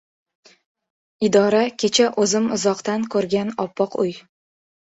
Idora - kecha o‘zim uzoqdan ko‘rgan oppoq uy.